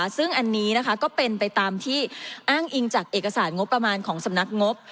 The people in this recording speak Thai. ซึ่งอันนี้ก็เป็นไปตามที่อ้างอิงจากเอกสารงบประมาณของสำนักงบ